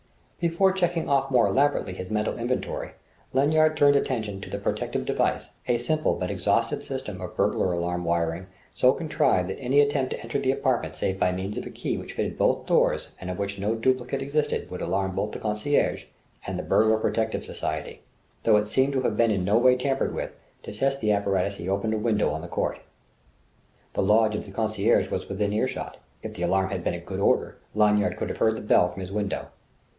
Before checking off more elaborately his mental inventory, Lanyard turned attention to the protective device, a simple but exhaustive system of burglar alarm wiring so contrived that any attempt to enter the apartment save by means of a key which fitted both doors and of which no duplicate existed would alarm both the concierge and the burglar protective society. Though it seemed to have been in no way tampered with, to test the apparatus he opened a window on the court. The lodge of the concierge was within earshot. If the alarm had been in good order, Lanyard could have heard the bell from his window.